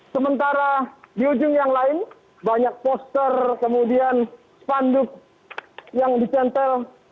sementara di ujung yang lain banyak poster kemudian spanduk yang ditempel